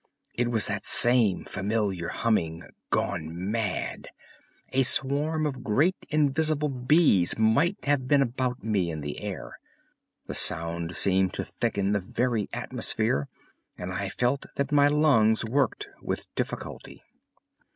It was that same familiar humming—gone mad! A swarm of great invisible bees might have been about me in the air. The sound seemed to thicken the very atmosphere, and I felt that my lungs worked with difficulty.